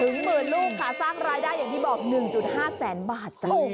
หมื่นลูกค่ะสร้างรายได้อย่างที่บอก๑๕แสนบาทจ้ะ